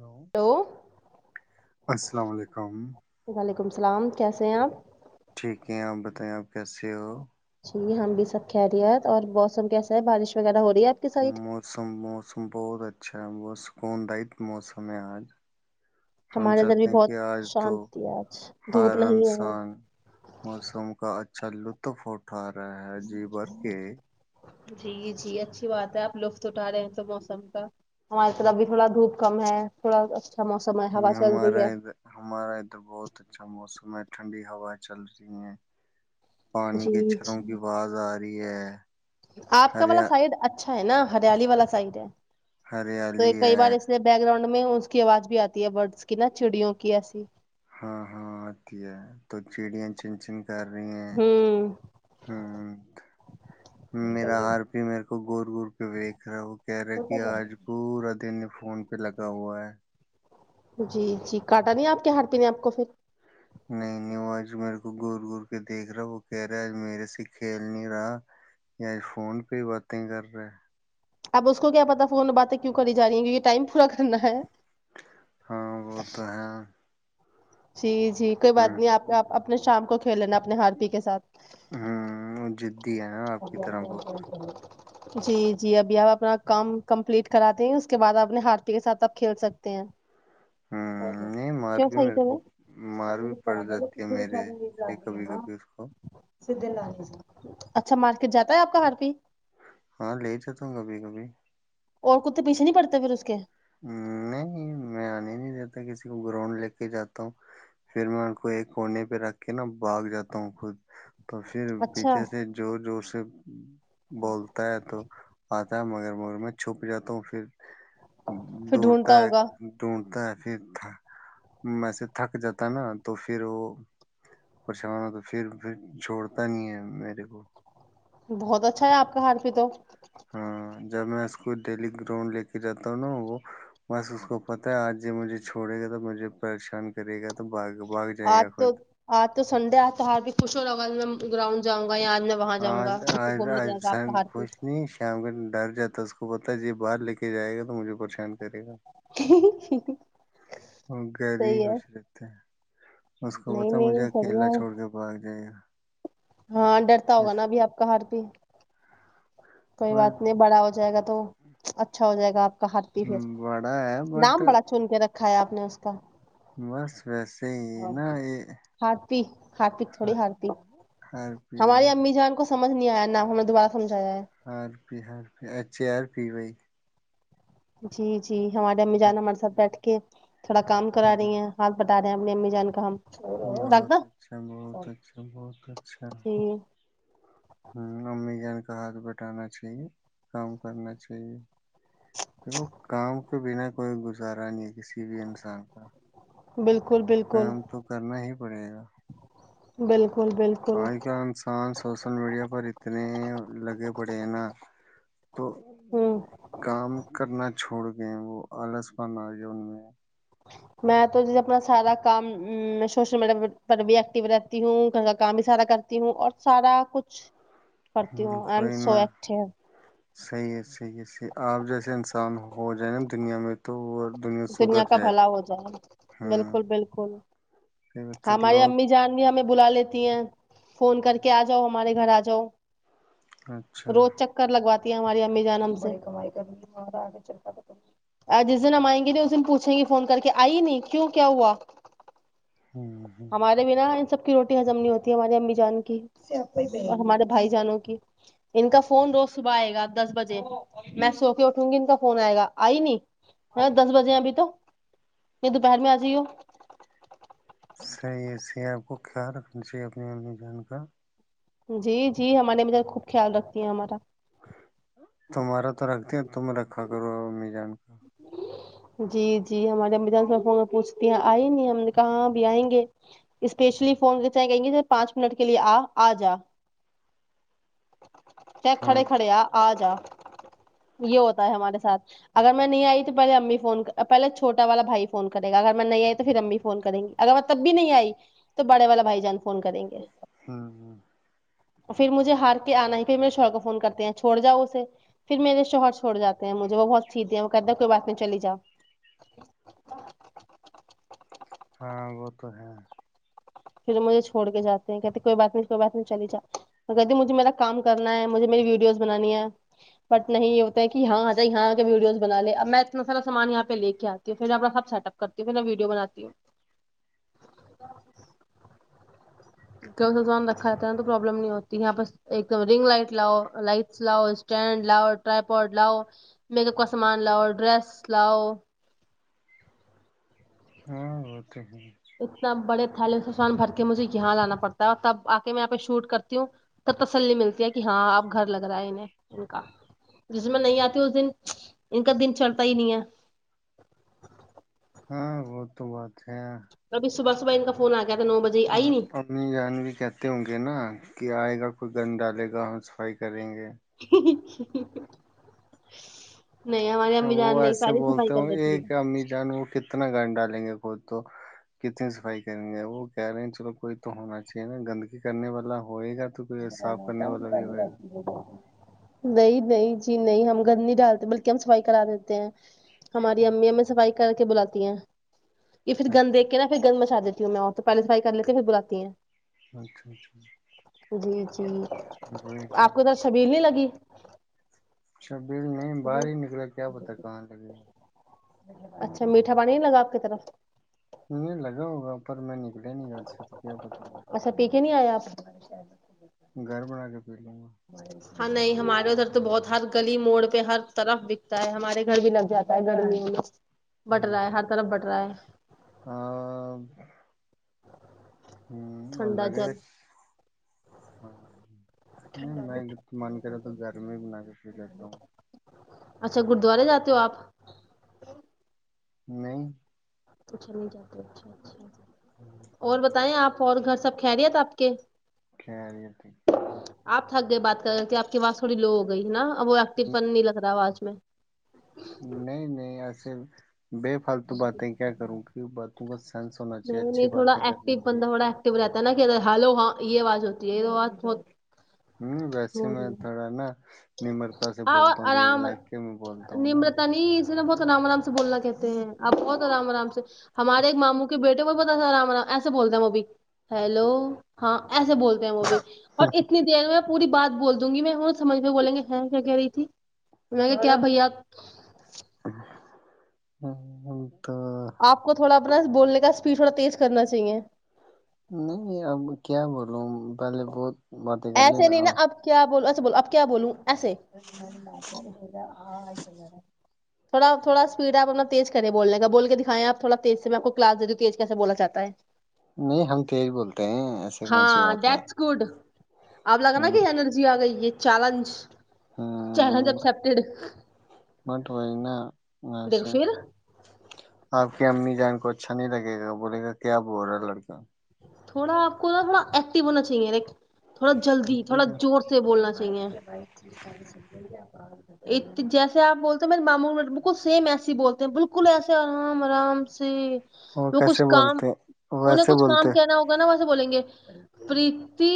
لو hello السلام علیکم ولیکم السلام کیسے ہیں آپ ٹھیک ہے آپ بتائیں آپ کیس ہو ج ہم بھی سب خریت اور موسم کیس بارش وغیرہ ہو رہی ہے ہوں آپ کی سائڈ اا بت سکون دت موسم ہے آج ہم ہمارے ادھر چاہتے بھی ہیں کہ بہت آج تو شانتی ہے آج دھوپ نہیں ہارنسان ہے موسم کا اچھا چلو تو فٹ اٹھا رہا ہے جی بر کے جی جی اچھی بات ہے آپ لطف اٹھا رہے ہیں تو موسم کا ہماریے طرح اب بھی ہوں، تھوڑا دھوپ کم ہے تھوڑا موسم ہے ہوا نہیں چل رہی ہمارا ہے ادھر ہمارا ادھر بہت اچھا موسم ٹھنڈی ہوا چل رہی ہیں پانی کے جی اچروں کی جی باز آ رہی ہے ہ آپ کا والا شائد اچھا ا ہے نا ہریالی والا سائڈ ہے تو یہ ہریالی کئی ہے بار اسے بیک گراؤنڈ میں میں اس کی آواز بھی آتی ہے برڈس کی نا چڑیوں کی ایسی ہاں ہاں آتی ہے تو چڑیاں چن چن کر رہی ہیں ہوں ہ میرا آر پی میرے کو گور گور پہ دیکھ رہا ہو کہہ رہے کہ آج پورا دن فون پہ لگا ہوا ہے جی جی کاٹا نہیں آپ کے ہار پینے آپ کو پھر نہیں نہیں وہ آج میرے کو گور گور کے دیکھ رہا وہ کہہ رہا آج میرے سے کھیل نہیں رہا یا آج فون پہ ہی باتیں کر رہا اب اس کو کیا پتا فون باتیں کیوں کری جا رہی ہیں کہ یہ ٹائم پورا کرنا ہے ہاں وہ تو ہے جی جی کوئی بات ہوں نہیں آپپ اپنے شام کو کھیلینا اپنے ہارپتی کےاتھ ہوں وہ جدی ہے نا آپ کی طرح بہت جی جی ابھی آپ اپنا کام کمپلیٹ کراتے ہیں اس کے بعد اپنے ہاتی کے ساتھ آپ کھیل سکتے ہیں نہیں مار کیا بھی خائی میرے ت کو میں مار بھی پڑ جاتی ہے میرے سے کبھی کبھی اس کو [inaudible] س اچھا مارکیٹ جاتا ہے آپ کا ہھر پہ [inaudible] ہاں لے جتا ہوں کبھی کبھی [inaudible] اور کتے پیھے نہیں پڑتے پھر اس کے ہ نہیں میں آنے نہیں دیتا کسی کو گراؤنڈ لے کے جاتا ہوں پھر میں ان کو ایک کونے پہ رکھ کے نا بھاگ جاتا ہوں خود [inaudible] تو پھر اچھا پیچھے سے جو جو تب بولتا ہے تو [inaudible] مگر مگر میں چھپ جاتا ہوں پھر [inaudible] پھر دوڑتا ڈھونڈتا ہے ہوگا دووڑتا ہے پھر وسے تھک جاتا نا تو پھر وہ پریشان ہو تو پھر پھر چھوڑتا نہیں ہے میرے کو بہت اچھا ہے آپ کا ہار پ تو ہاں جب میں اس کو ڈیلی گراؤنڈ لے کے جاتا ہوں نا وہ بس اس کو پتہ ہے آج یہ مجھے چھوڑے گا تو مجھے پریشان کرے گا تو بھاگ بھاگ جائے آج گا خود تو آج تو سنڈے آ تو ہار بھی خوش ہو رہا میں گراؤنڈ جاں آج آج آج س آپ کا ہارپی خوھ نہیں شام کو ڈر جاتا کو پتت [inaudible] ا ج باہر لے کے جائے گا تو مجھے پریشان کرے گا جیک [inaudible] وہ گھر ہی خوش رہتے ہیں [inaudible] اس کو نہیں پتا مجھے نہیں اکیلا بڑھیا ہے چھوڑ کے بھاگ جائے گا [inaudible] ہاں ڈرتا ہوگا نا ابھی آپ کا ہر بھیہ کوئی اور بات نہیں بڑا ہو جائے گا تو اچھا ہو جائے گا گپ [inaudible] کہ ہرتی پھر بڑا ہے بٹ نام بڑا چن کے رکھا ہے آپ نمسک بس ویسے ہی نا یہ پی [inaudible] ہارپک تھوڑی ہارپک ہر پی ہماری امی جان کو س سج نہیں آیا نہ ہم نے دوبارہ سجھایا ہے [inaudible] ہر پی ہر اچھے آر پی بھائی [inaudible] جییک [inaudible] جی ہمارے امی جان ہمارے سھ بھائی بیٹھ کے تھوڑا کام کرا ہاں رہی ہیں ہال ب بتا دیں ہم اپ نے امی جان کا ہم رکھ بہت دو اچھا بہت اچھا بہت اچھا جی ہ امی جین کا ہاتھ بیٹھانا چاہیے کام کرنا چاہیے م گ کام اس کے بنا کوئی گزارا نہیں ہے کسی بھی انسان کا بالکل بالکل کام تو کرنا ہی پڑے گا بالکل بالکل آج کل انسان سوشل میڈیا پر اتنے لگے پڑے ہیں نا تو ہوں کام کرنا چھوڑ گئے وہ آلس پان آ گیا ان میں میں تو جیسے اپنا سارا کام سوشل میڈیا پر بھی ایکٹو رہتی ہوں گھر کا کام بھی سارا کرتی ہوں اور سارا کچھ کرتی ہوں ایم کوئی سو نہ ایکٹے صحیح ہے صحیح ہے صحیح آپ جیسے انسان ہو جائے نا دنیا میں تو دنیا سدھر کا جائے بھلا ہو جائے ہاں بالکل بالکل مطلب ہماری لوگ امی جان رہ ہمیں بلا لیتی ہیں فون کر کے ہوں آ جاؤ ہمارے گھر آ جاؤ اچھا جاؤ روز چکر لگواتا ہماری امی جان سے کمائی کرگے چلتاتا آ جس دن ہمئیں گے اسن پوچھیں گے فون کر کے آئی نہیں کیوں کیا ہوا ہ ہ ہمارے بنا ان سب کی روٹی ہزم نہیں ہوتی ہمارے امی جان کی ہمارے بھائی جانوں کی ان کا فون روز صبح آئے گا دس بجے میں سو کے اٹھوں گی ان کا فون آئے گا آئی نہیں دس بجے ہیں ابھی تو یا دوپہر میں آ جائی ہو سر یہ سے آپ کو خیال رکھنا چاہیے اپنے امی جان کا جی جی ہمارے مھ خوب خیال رکھتی ہیں ہمارا تمہارا تو رکھتی ہیں تم رکھا کرو امی جان کا جی جی ہمارے اانس فون پوچھتی ہیں آئی نہیں ہم نے کہاں اب آئیں گے اسپیشلی فون کہیں گے پانچ منٹ کے لیے آ آ جا ج کیا ہاں کڑے کھڑے آ آ جا یہ ہوتا ہے ہمارے ساتھ اگر میں نہیں آئی تو پہلے امی فون پہلے چھوٹا والا بھائی فون کرے گا اگر میں نہیں آئی تو پھر امی فون کریں گی اگر میں تب بھی نہیں آئی تو بڑے والا بھائی جان فون کریں گے ہاں ہاں پھر مجھے ہار آنا ہی پھر میرے شوہر کو فون کرتے ہیں چھوڑ جاؤ اسے پھر میرے شوہر چھوڑ جاتے ہیں مجھے وہ بہت سیھے ہیں وہ کہد کوئی بات نہیں چلی جاؤ ہاں وہ تو ہے جاتے ہیں کہتے کوئی بات نہیں کوئی بات نہیں چلی جا کہتی مجھے میرا کام کرنا ہے مجھے میری ویڈیوز بنانی ہے بٹ نہیں یہ ہوتا ہے کہ ہاں آ جائے یہاں آ کے ویڈیوز بنا لے اب میں اتنا سارا سامان یہاں پہ لے کے آتی ہوں پھر اپنا سب سیٹ اپ کرتی ہوں پھر میں ویڈیو بناتی ہوں کیا سامان رکھاتا ہے ن تو پرابلم نہیں ہوتی یہاں پ ایک دم رنگ لائٹ لاؤ لائٹس لاؤ اسٹینڈ لاؤ ٹرائی پوڈ لاؤ میک اپ کا سامان لاؤ ڈریس لاؤ ہاں تو ہے اتنا بڑے تھالے سے ان بھر کے مجھے یہاں جانا پڑتا ہے اور تب آ کے میں یہاں پہ شوٹ کرتی ہوں تب تسلی ملتی ہے کہ ہاں اپ گھر لگ رہا ہے انیں ان کا جس دن میں نہیں آتیوں اس دن ان کا دن چڑتا ہی نہیں ہے ہاں وہ تو بات اچھا صبحبح ان کا فون آتا ہ انی جان بھی کہتے ہوں گے نا کہ آئے گا کوئی گن ڈالے گا ہم صفائی کریں گے [inaudible] نہیں ہمارے امیزان وہ نہیں ایسے پہلے صفائی بولتے کر ہو لیتی ہے ایک امی جان وہ کتنا گڈ ڈالیں گے خود تو کتنی صفائی کریں گے وہ کہہ رہے ہیں چلو کوئی تو ہونا چاہیے نا گندگی کرنے والا ہوئے گا تو کوئی صاف کرنے والا بھی ہوئے گا نہیں نہیں ج نہیں ہم گند نہیں ڈالتے بلکہ ہم صفائی کرا دیتے ہیں ہماری امی ایں صفائی کر کے بلاتی ہیں کہ پھر گند اچھا دے کے نہا پھر گندم مسالے کی میں اور تو پہل سفرائی کر لیتے پھر بلاتی ہیں اچھا اچھا جی جی آپ کو ا تو شبیل نہیں لگی اچھا بل نہیں باہر ہی نکلا کیا پتا کہاں لگے گا اچھا میٹھا پانی نہیں لگا آپ کی طرف نہیں لگا ہوگا پر میں ن پ نہیں ل س تو کیا پرتایر چ گھر بنا کے پی لوں گا ہاں نہیں ہمارے ادھر تو بہت ہر گلی موڑ پہ ہر طرف بکتا ہے ہمارے گھر بھی لگ جاتا ہے گرمیوں میں بٹر رہائے ہر طرف بٹر رہاائے ہ ہ اور ٹھنڈا لگے گا جل ہ نہیں میں من کرے تو گھر میں بنا کے پ جتا ہوں اچھا گرودوارے جاتے ہو آپ نہیں تو چل نہیں جاتے اچھا اچھا اور بتائیں آپ اور گھر سب کھہ رہیے تھا آپ کے خری ت خری ت کیا آ کی پاس تھوڑی لو ہو گئی نا ا وہ ایکٹو بن نہیں لگ رہا ہے آج میں نہیں نہیں ایسے بے فالتو باتیں کیا کروں کی بات توس نہیں نہیں تھوڑا ایکٹو بندہ تھوڑا ایکٹو رہتا ہے نا کہ ہلو ہاں یہ آواز ہوتی یہ تو آات بہت ہ ویسے ہو میں رہی ہے تھوڑا نا نمرتا سے اور بولتا ہوں آرام لگ کے میں بولتا ہوں نا رام آرام سے بولنا کہتے ہیں آپ بہت آام آام سے ہمارے ایک ماموں کے بیٹے ب پتا تھا آام ایسے بولتے ہیں وہ اب ہیلو ہاں ایسے بولتے ہیں وہ بھی اور اتنی دیر میں پوری بات بول دوں گی میں ہ سجھ وہ بولیں گے ہیں کیا کہہ رہی تھی میں کہ کیا بھیا ہاں ہاں آپ کو تھوڑا اپنا بولنے کا اسپیڈ تھوڑا تیز کرنا چاہیے نہیں اب کیا بولوں پہلے بہت باتیں کر ایسے لینا نہیں نا اب کیا بولو بولو اب کیا بولوں ےات آ آئیٹ میںیر تھوڑا تھوڑا اسپیڈ آپ اپنا تیز کریں بولنے کا بول کے دکھائیں آپ تھوڑا تیز سے میں آپ کو کلا دے دوں تیز کیسے بولا چاہ ہے نہیں ہم تیز بولتے ہیں ایسے کون سی ہاں بات ہے دیٹس گڈ آپ لگ نا ہوں، کہ انینرجی آ گئی یہ چیلنج چلز اسپٹیڈ مٹ ب ن اور سا آپ کی امی جان کو اچھا نہیں لگے گا بولے گا کیا بول رہا ہے لڑکا تھوڑا آپ کو ن تھوڑا ایکٹو ہونا چاہیے ر تھوڑا جلدی تھوڑا لڑکا زور سے بولنا چ جیسے آپ بولتے ہیں مے مام بکل سیم ایس بولتے ہیں بالکل ایسے آرام آرام سے وہ کچھ کیسے کام بولتے وہ انہیں وسے کچھ بول [unintelligible] کام کہنا ہوگا [unintelligible] بولیں گے پریتی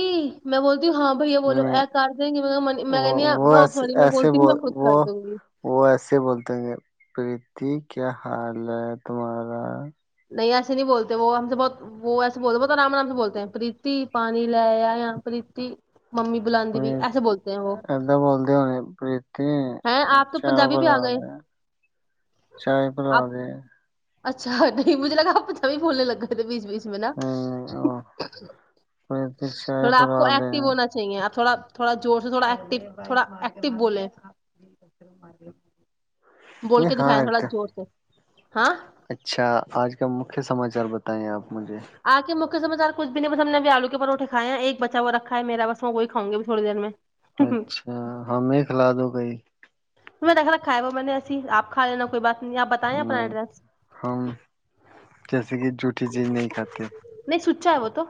میں بولتی [unintelligible] ہاں بھیا بولو نہیں ای کر دیں گی میں وہ کہنی ہ وہ ایسے سی میں ایسے بولتی ہوں بول میں خود وہ کر دوں گی [unintelligible] ج کیا حال ہے تمہارا [unintelligible] نہیں ایسے نہیں بولتے وہ ہم سے بہت وہ ایسے بولتے بت رام رام سے بولتے ہیں پرریتی پانی لے آیا اں پرریتی [unintelligible] پت ایکدم ب د ہو نت ہیں آپ [unintelligible] تو چاہ پنجابی بھی آ بلا گئے دیا چائے پلا آپ د [unintelligible] اچھا نہیں مجھے لگا آپچ بھییںھولنے لگے تھے بیچ بیچ [unintelligible] میں نا پریتی چائے تھوڑا آپ کو بنا دے ایکٹو ہونا چاہیے آپ [unintelligible] تھوڑا تھوڑا زور سے تھوڑا ایکٹیو تھوڑا ایکٹیو بولے [unintelligible] جی ار [unintelligible] نہیں ہاں ایک ہاں اچھا آج کا م [unintelligible] کے سماارتائیں آپ [unintelligible] مجھے [unintelligible] اس سمچ کچھ بھی نہیں بس ہم نےب آلو کے پروٹے کھائے ہے ایک بچا وہ را ہے ماس وہیاں گ بھی تھوڑی دیر میں [unintelligible] میں اچھا ہمیں کھلا دو گئی [unintelligible] تم میں نے دھا کھائے ہوا میں نے ایسی آ کا لینا کوئی بات [unintelligible] آپ بتائیں اپنا ایڈریس ہم [unintelligible] جیسے کہ جوٹیھی چیز نہیں کھاتے [unintelligible] چاہ تو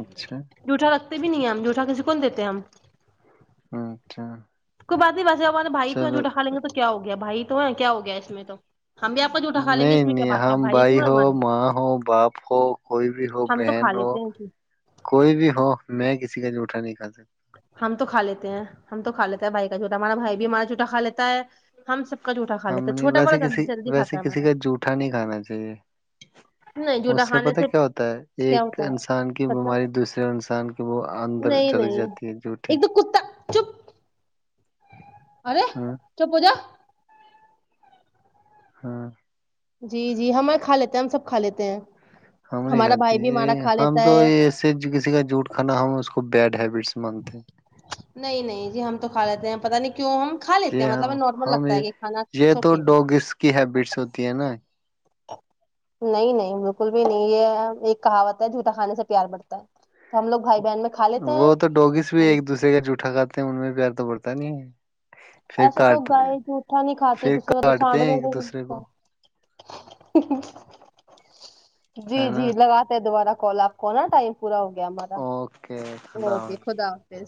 اچھا جٹا [unintelligible] بھی نہیں ہم جٹھا کے کون دیتے ہیں ہم [unintelligible] اچھا [unintelligible] کب [unintelligible] ویسے ہمارے بائی تو ا چلو جوٹایں گے تو کیا ہویا بھائی [unintelligible] تواں کیا ہو گیا اس میں تو [unintelligible] آپ کا جھوٹا کھا لیں گے اس نہیں میں کیا نہیں بات ہے ہم تو بھائی ہے ہو ہمارے ماں ہو باپ ہو کوئی بھی ہو ہم تو بہن کھا ہو لیتے ہیں کوئی بھی ہو میں کسی [unintelligible] سٹھا نہیں کا [unintelligible] ہم تو کھا لیتے ہیں ہم تو کھا لیتے ہیں بھائی کا چھوٹا ہمارا بھائی بھی ہمارا چھوٹا کھا لیتا ہے ہم سب [unintelligible] ہم لیتا ہے نہیں چھوٹا ویسے بڑا کسی جلدی ویسے کھاتا ہے کسی ہمارا کا جوٹا نہیں کھانا چاہیے نہیں [unintelligible] اس جھوٹا سے کھانے پتہ کیا ہوتا ہے کیا ایک ہوتا انسان کی ہے بیماری مطلب دوسرے انسان کی وہ اندر نہیں جلک نہیں جاتی ہے جوٹے [unintelligible] ایک تو کتا چپ ارے چ پو جا [unintelligible] [inaudible] ہاں جی جی ہمار کھا لیتے ہیں ہم سب کھا لیتے ہیں ہم نہیں ہمارا کھاتے بھائی بھی یہ ہمارا کھا ہم لیتا تو ہے ایسے کسی کا جوٹ کھانا ہم اس کو بیڈ ہیبٹس مانگتے ہیں نہیں نہیں جی ہم تو کھا لیتے ہیں پتہ نہیں کیوں ہم کھا لیتے یہ ہیں ہاں مطلب نارمل ہم لگتا ہے کہ کھانا یہ تو اوکے ڈوگس کی ہیبٹس ہوتی ہے نا نہیں نہیں بالکل بھی نہیں یہ ایک کہاوت ہے جھوٹا کھانے سے پیار بڑتا ہے تو ہم لوگ بھائی بہن میں کھا لیتے وہ تو ہیں ڈوگیس بھی ایک دوسرے کا جوٹھا کاتے ہیں ان میں پیار تو بڑتا ت نہیں پھر ایسے تو کاٹ گائے جوٹا نہیں کھات پھر تسے تو کاٹتے سانڈو ہیں ایک دوسرے کو جی ہے نا جی لگاتے دوبارہ کال آپ کو نا ٹائم پورا ہو گیا ہم ہمارا اوکے خدا اوکے حافظ خدا حافظ